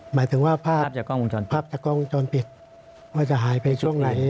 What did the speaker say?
หมายถึงว่าภาพจากกล้องมุมชนปิดว่าจะหายไปช่วงไหน